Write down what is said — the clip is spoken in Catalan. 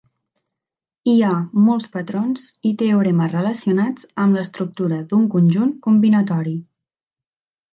Hi ha molts patrons i teoremes relacionats amb l'estructura d'un conjunt combinatori.